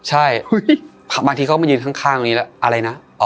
ใช่อุ้ยบางทีเขาก็มายืนข้างข้างตรงนี้แล้วอะไรนะอ๋อ